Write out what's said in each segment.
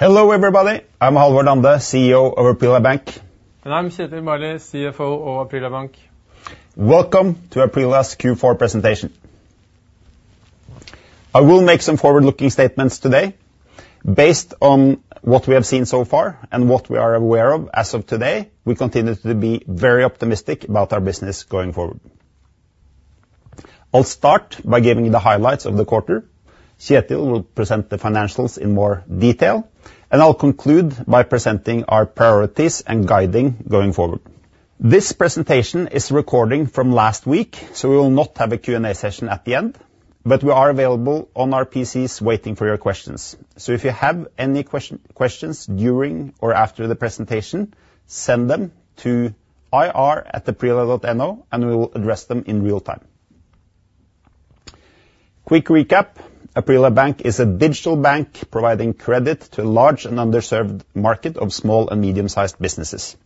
Hello everybody. I'm Halvor Lande, CEO of Aprila Bank. I'm Espen Engelberg, CFO of Aprila Bank. Welcome to Aprila's Q4 presentation. I will make some forward-looking statements today. Based on what we have seen so far and what we are aware of as of today, we continue to be very optimistic about our business going forward. I'll start by giving the highlights of the quarter. Kjetil will present the financials in more detail, and I'll conclude by presenting our priorities and guiding going forward. This presentation is a recording from last week, so we will not have a Q&A session at the end. But we are available on our PCs waiting for your questions. So if you have any questions during or after the presentation, send them to ir@aprila.no, and we will address them in real time. Quick recap: Aprila Bank is a digital bank providing credit to a large and underserved market of small and medium-sized businesses.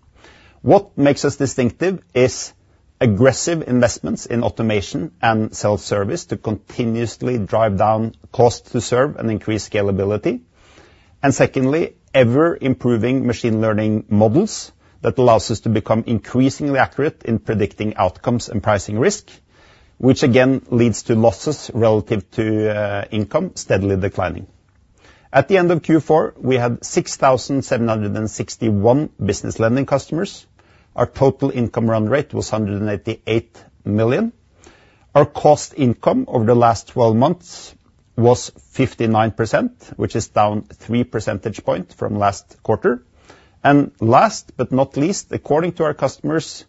What makes us distinctive is aggressive investments in automation and self-service to continuously drive down costs to serve and increase scalability. Secondly, ever-improving machine learning models that allow us to become increasingly accurate in predicting outcomes and pricing risk, which again leads to losses relative to income steadily declining. At the end of Q4, we had 6,761 business lending customers. Our total income run rate was 188 million. Our cost income over the last 12 months was 59%, which is down 3 percentage points from last quarter. Last but not least, according to our customers,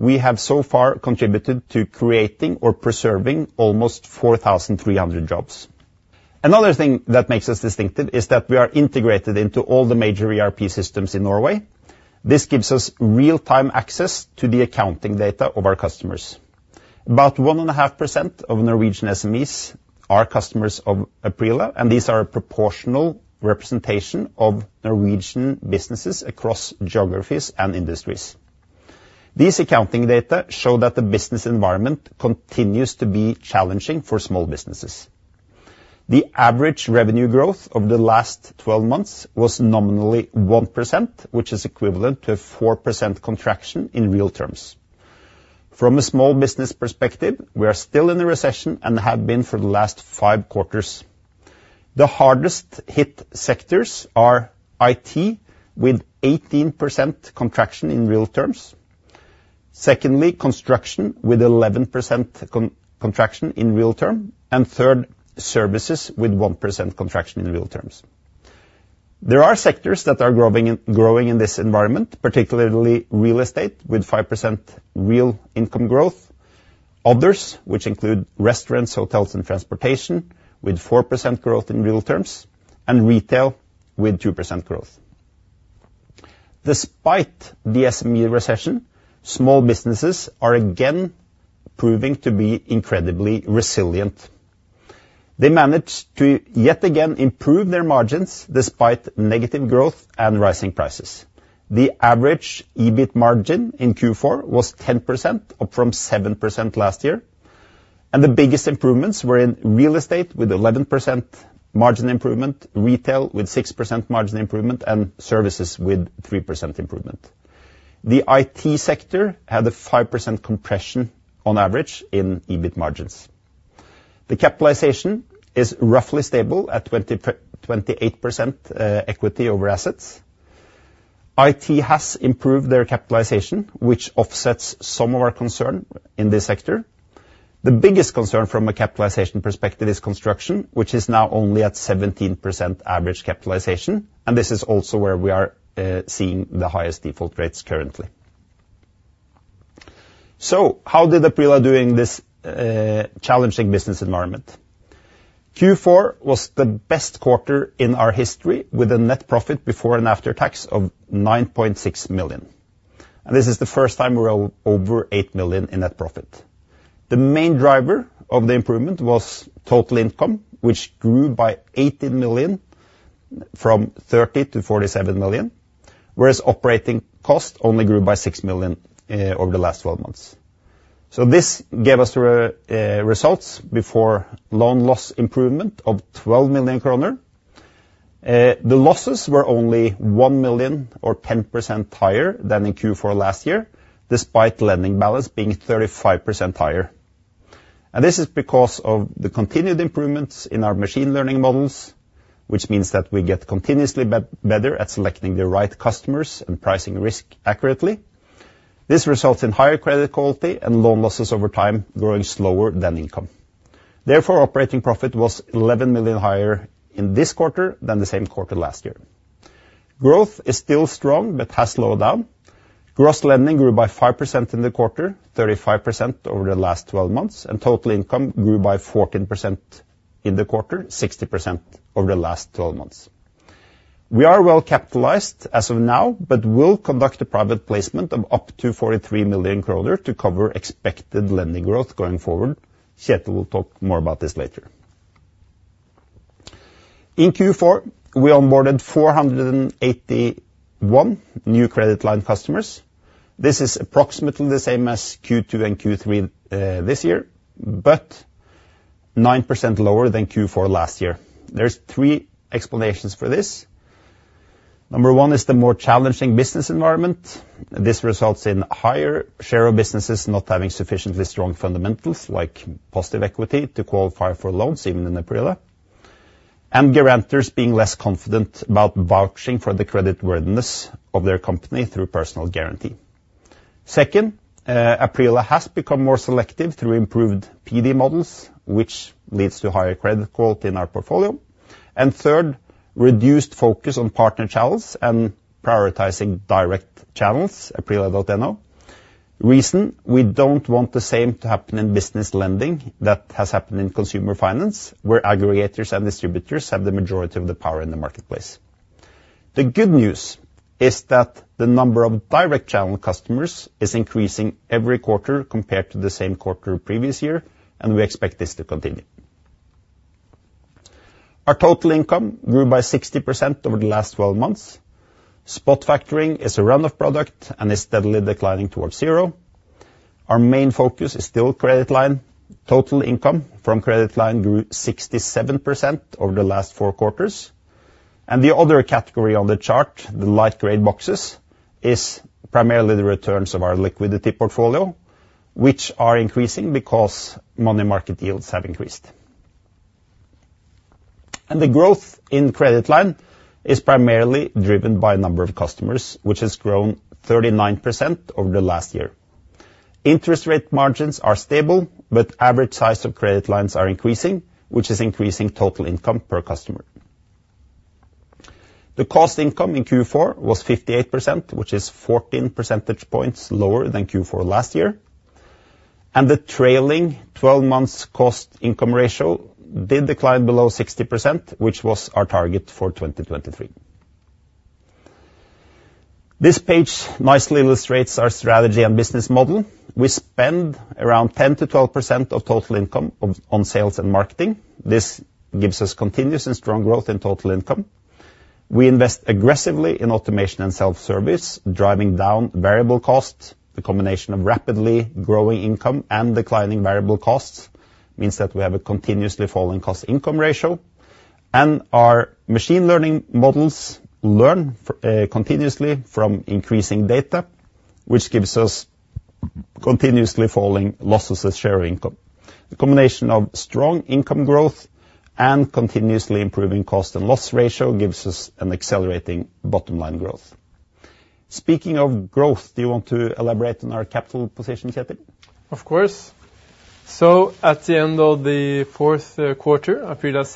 we have so far contributed to creating or preserving almost 4,300 jobs. Another thing that makes us distinctive is that we are integrated into all the major ERP systems in Norway. This gives us real-time access to the accounting data of our customers. About 1.5% of Norwegian SMEs are customers of Aprila, and these are a proportional representation of Norwegian businesses across geographies and industries. These accounting data show that the business environment continues to be challenging for small businesses. The average revenue growth over the last 12 months was nominally 1%, which is equivalent to a 4% contraction in real terms. From a small business perspective, we are still in a recession and have been for the last five quarters. The hardest-hit sectors are IT with 18% contraction in real terms, secondly, construction with 11% contraction in real terms, and third, services with 1% contraction in real terms. There are sectors that are growing in this environment, particularly real estate with 5% real income growth, others which include restaurants, hotels, and transportation with 4% growth in real terms, and retail with 2% growth. Despite the SME recession, small businesses are again proving to be incredibly resilient. They managed to yet again improve their margins despite negative growth and rising prices. The average EBIT margin in Q4 was 10%, up from 7% last year. The biggest improvements were in real estate with 11% margin improvement, retail with 6% margin improvement, and services with 3% improvement. The IT sector had a 5% compression on average in EBIT margins. The capitalization is roughly stable at 28% equity over assets. IT has improved their capitalization, which offsets some of our concern in this sector. The biggest concern from a capitalization perspective is construction, which is now only at 17% average capitalization. This is also where we are seeing the highest default rates currently. How did Aprila do in this challenging business environment? Q4 was the best quarter in our history with a net profit before and after tax of 9.6 million. This is the first time we're over 8 million in net profit. The main driver of the improvement was total income, which grew by 18 million from 30 million-47 million, whereas operating costs only grew by 6 million over the last 12 months. This gave us results before loan loss improvement of 12 million kroner. The losses were only 1 million or 10% higher than in Q4 last year, despite lending balance being 35% higher. This is because of the continued improvements in our machine learning models, which means that we get continuously better at selecting the right customers and pricing risk accurately. This results in higher credit quality and loan losses over time growing slower than income. Therefore, operating profit was 11 million higher in this quarter than the same quarter last year. Growth is still strong but has slowed down. Gross lending grew by 5% in the quarter, 35% over the last 12 months, and total income grew by 14% in the quarter, 60% over the last 12 months. We are well capitalized as of now but will conduct a private placement of up to 43 million kroner to cover expected lending growth going forward. Kjetil will talk more about this later. In Q4, we onboarded 481 new credit line customers. This is approximately the same as Q2 and Q3 this year but 9% lower than Q4 last year. There's three explanations for this. Number one is the more challenging business environment. This results in higher share of businesses not having sufficiently strong fundamentals like positive equity to qualify for loans even in Aprila, and guarantors being less confident about vouching for the creditworthiness of their company through personal guarantee. Second, Aprila has become more selective through improved PD models, which leads to higher credit quality in our portfolio. And third, reduced focus on partner channels and prioritizing direct channels, aprila.no. Reason: we don't want the same to happen in business lending that has happened in consumer finance, where aggregators and distributors have the majority of the power in the marketplace. The good news is that the number of direct channel customers is increasing every quarter compared to the same quarter previous year, and we expect this to continue. Our total income grew by 60% over the last 12 months. Spot factoring is a run-off-product and is steadily declining towards zero. Our main focus is still credit line. Total income from credit line grew 67% over the last four quarters. The other category on the chart, the light gray boxes, is primarily the returns of our liquidity portfolio, which are increasing because money market yields have increased. The growth in credit line is primarily driven by number of customers, which has grown 39% over the last year. Interest rate margins are stable, but average size of credit lines are increasing, which is increasing total income per customer. The cost income in Q4 was 58%, which is 14 percentage points lower than Q4 last year. The trailing 12-month cost income ratio did decline below 60%, which was our target for 2023. This page nicely illustrates our strategy and business model. We spend around 10%-12% of total income on sales and marketing. This gives us continuous and strong growth in total income. We invest aggressively in automation and self-service, driving down variable costs. The combination of rapidly growing income and declining variable costs means that we have a continuously falling cost income ratio. Our machine learning models learn continuously from increasing data, which gives us continuously falling losses as share of income. The combination of strong income growth and continuously improving cost and loss ratio gives us an accelerating bottom line growth. Speaking of growth, do you want to elaborate on our capital position, Kjetil? Of course. So at the end of the fourth quarter, Aprila's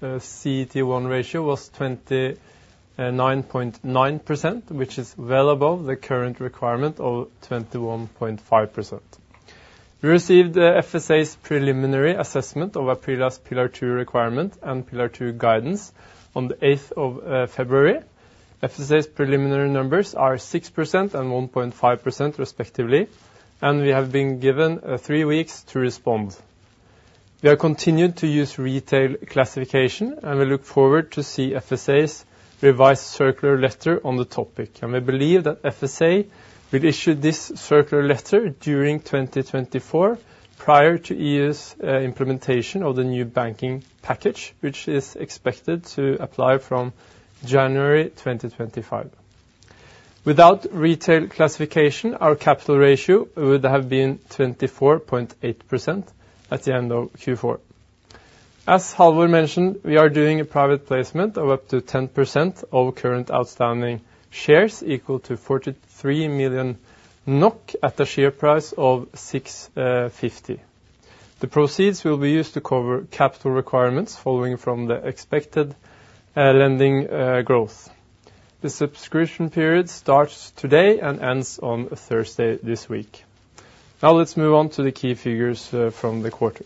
CET1 ratio was 29.9%, which is well above the current requirement of 21.5%. We received FSA's preliminary assessment of Aprila's Pillar 2 requirement and Pillar 2 guidance on the 8th of February. FSA's preliminary numbers are 6% and 1.5%, respectively. We have been given three weeks to respond. We have continued to use Retail Classification, and we look forward to seeing FSA's revised circular letter on the topic. We believe that FSA will issue this circular letter during 2024 prior to EU's implementation of the new banking package, which is expected to apply from January 2025. Without Retail Classification, our capital ratio would have been 24.8% at the end of Q4. As Halvor mentioned, we are doing a private placement of up to 10% of current outstanding shares equal to 43 million NOK at a share price of 6.50. The proceeds will be used to cover capital requirements following from the expected lending growth. The subscription period starts today and ends on Thursday this week. Now let's move on to the key figures from the quarter.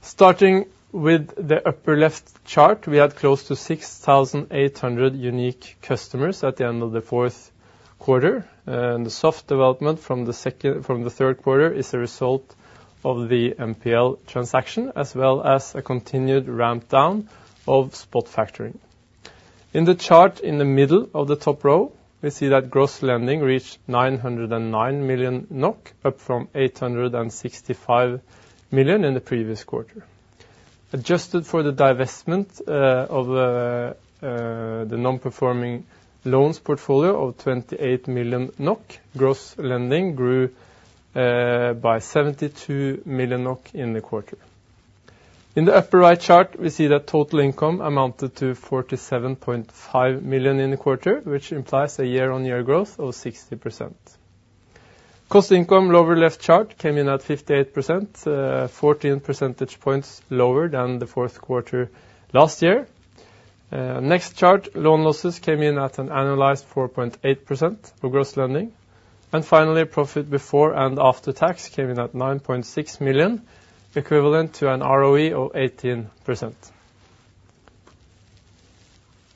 Starting with the upper left chart, we had close to 6,800 unique customers at the end of the fourth quarter. And the soft development from the third quarter is a result of the NPL transaction as well as a continued rampdown of spot factoring. In the chart in the middle of the top row, we see that gross lending reached 909 million NOK, up from 865 million in the previous quarter. Adjusted for the divestment of the non-performing loans portfolio of 28 million NOK, gross lending grew by 72 million NOK in the quarter. In the upper right chart, we see that total income amounted to 47.5 million in the quarter, which implies a year-on-year growth of 60%. Cost income, lower left chart, came in at 58%, 14 percentage points lower than the fourth quarter last year. Next chart, loan losses came in at an annualized 4.8% of gross lending. And finally, profit before and after tax came in at 9.6 million, equivalent to an ROE of 18%.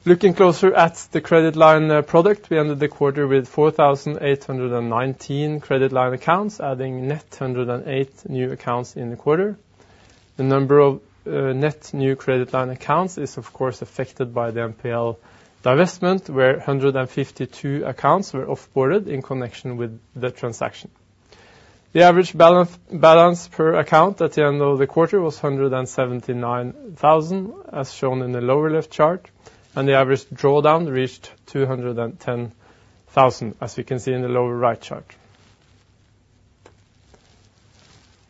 Looking closer at the credit line product, we ended the quarter with 4,819 credit line accounts, adding net 108 new accounts in the quarter. The number of net new credit line accounts is, of course, affected by the NPL divestment, where 152 accounts were offboarded in connection with the transaction. The average balance per account at the end of the quarter was 179,000, as shown in the lower left chart. The average drawdown reached 210,000, as we can see in the lower right chart.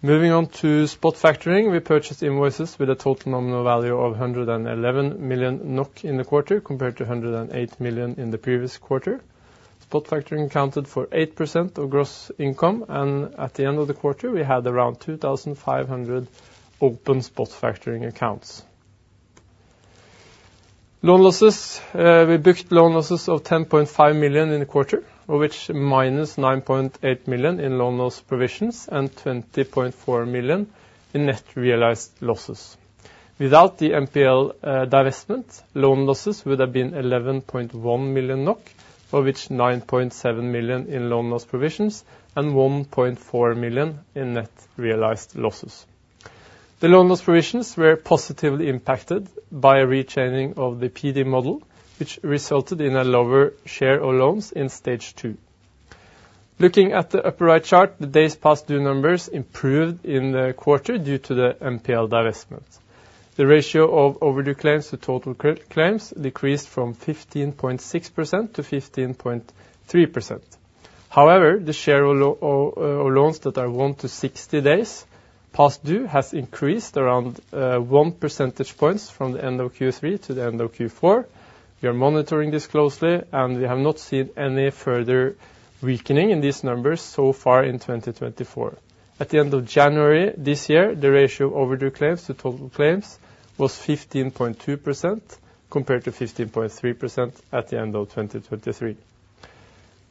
Moving on to spot factoring, we purchased invoices with a total nominal value of 111 million NOK in the quarter compared to 108 million in the previous quarter. Spot factoring accounted for 8% of gross income. At the end of the quarter, we had around 2,500 open spot factoring accounts. We booked loan losses of 10.5 million in the quarter, of which -9.8 million in loan loss provisions and 20.4 million in net realized losses. Without the NPL divestment, loan losses would have been 11.1 million NOK, of which 9.7 million in loan loss provisions and 1.4 million in net realized losses. The loan loss provisions were positively impacted by a retaining of the PD model, which resulted in a lower share of loans in stage two. Looking at the upper right chart, the days past due numbers improved in the quarter due to the NPL divestment. The ratio of overdue claims to total claims decreased from 15.6% to 15.3%. However, the share of loans that are 1 to 60 days past due has increased around 1 percentage points from the end of Q3 to the end of Q4. We are monitoring this closely, and we have not seen any further weakening in these numbers so far in 2024. At the end of January this year, the ratio of overdue claims to total claims was 15.2% compared to 15.3% at the end of 2023.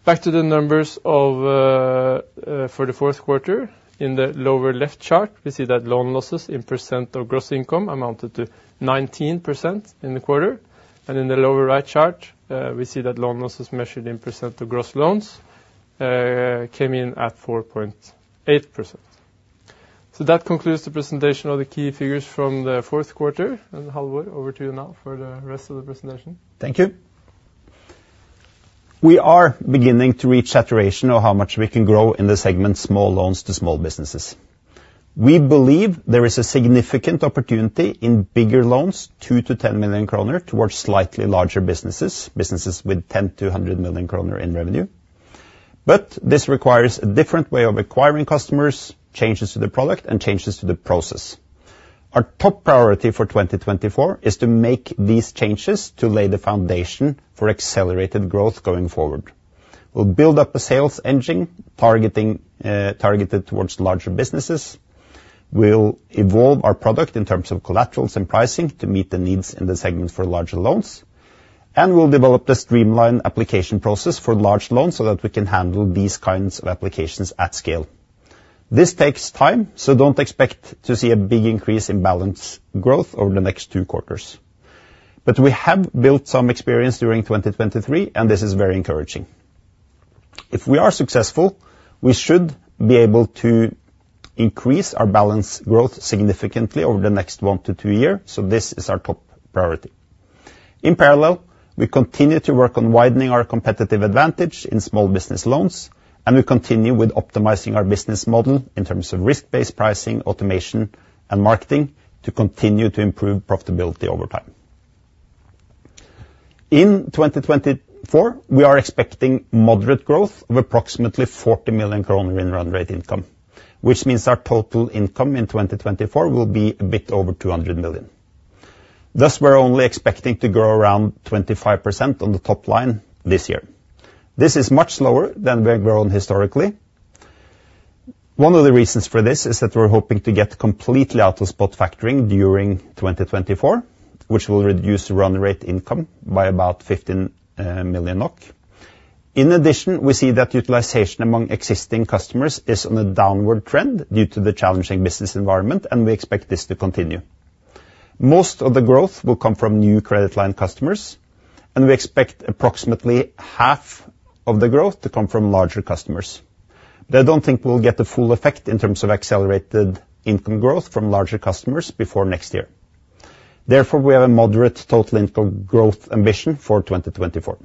Back to the numbers for the fourth quarter. In the lower left chart, we see that loan losses in % of gross income amounted to 19% in the quarter. In the lower right chart, we see that loan losses measured in % of gross loans came in at 4.8%. That concludes the presentation of the key figures from the fourth quarter. Halvor, over to you now for the rest of the presentation. Thank you. We are beginning to reach saturation of how much we can grow in the segment small loans to small businesses. We believe there is a significant opportunity in bigger loans, 2 million-10 million kroner, towards slightly larger businesses, businesses with 10 million-100 million kroner in revenue. But this requires a different way of acquiring customers, changes to the product, and changes to the process. Our top priority for 2024 is to make these changes to lay the foundation for accelerated growth going forward. We'll build up a sales engine targeted towards larger businesses. We'll evolve our product in terms of collaterals and pricing to meet the needs in the segment for larger loans. And we'll develop the streamlined application process for large loans so that we can handle these kinds of applications at scale. This takes time, so don't expect to see a big increase in balance growth over the next 2 quarters. But we have built some experience during 2023, and this is very encouraging. If we are successful, we should be able to increase our balance growth significantly over the next 1-2 years. So this is our top priority. In parallel, we continue to work on widening our competitive advantage in small business loans. And we continue with optimizing our business model in terms of risk-based pricing, automation, and marketing to continue to improve profitability over time. In 2024, we are expecting moderate growth of approximately 40 million kroner in run rate income, which means our total income in 2024 will be a bit over 200 million. Thus, we're only expecting to grow around 25% on the top line this year. This is much lower than where we're on historically. One of the reasons for this is that we're hoping to get completely out of spot factoring during 2024, which will reduce run rate income by about 15 million NOK. In addition, we see that utilization among existing customers is on a downward trend due to the challenging business environment, and we expect this to continue. Most of the growth will come from new credit line customers. And we expect approximately half of the growth to come from larger customers. But I don't think we'll get the full effect in terms of accelerated income growth from larger customers before next year. Therefore, we have a moderate total income growth ambition for 2024.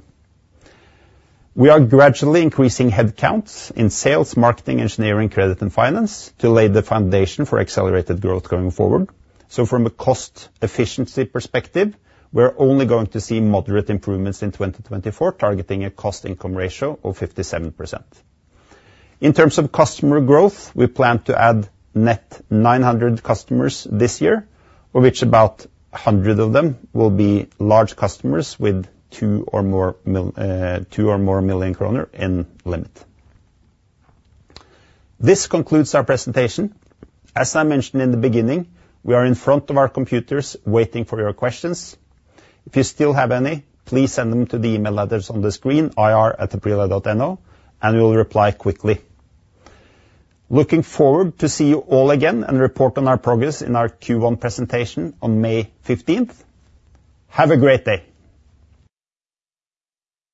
We are gradually increasing headcounts in sales, marketing, engineering, credit, and finance to lay the foundation for accelerated growth going forward. From a cost efficiency perspective, we're only going to see moderate improvements in 2024 targeting a cost/income ratio of 57%. In terms of customer growth, we plan to add net 900 customers this year, of which about 100 of them will be large customers with 2 million or more in limit. This concludes our presentation. As I mentioned in the beginning, we are in front of our computers waiting for your questions. If you still have any, please send them to the email address on the screen, ir@aprila.no, and we will reply quickly. Looking forward to seeing you all again and report on our progress in our Q1 presentation on May 15th. Have a great day.